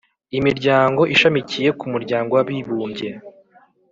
imiryango ishamikiye ku muryango w’abibumbye.